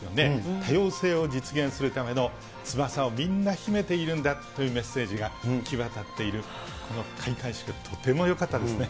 多様性を実現するための翼をみんな秘めているんだというメッセージが際立っている、この開会式はとてもよかったですね。